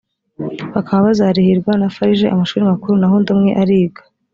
bakaba bazarihirwa na farg amashuri makuru naho undi umwe ariga